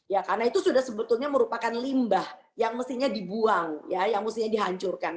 ya karena itu sudah sebetulnya merupakan limbah yang mestinya dibuang ya yang mestinya dihancurkan